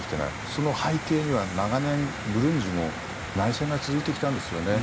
その背景には、ブルンジも長年内戦が続いてきたんですよね。